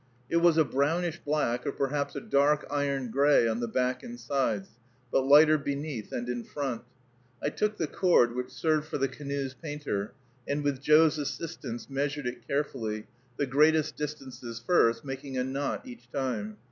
It was a brownish black, or perhaps a dark iron gray, on the back and sides, but lighter beneath and in front. I took the cord which served for the canoe's painter, and with Joe's assistance measured it carefully, the greatest distances first, making a knot each time.